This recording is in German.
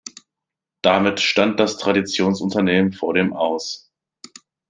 Damit stand das Traditionsunternehmen vor dem Aus.